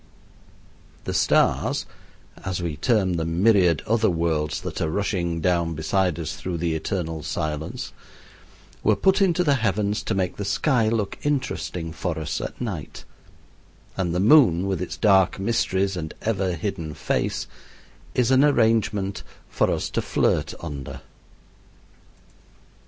The stars as we term the myriad other worlds that are rushing down beside us through the eternal silence were put into the heavens to make the sky look interesting for us at night; and the moon with its dark mysteries and ever hidden face is an arrangement for us to flirt under.